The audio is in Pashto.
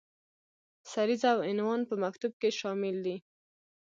سریزه او عنوان په مکتوب کې شامل دي.